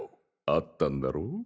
あったんだろ？